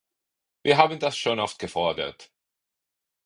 Wir haben das schon oft gefordert.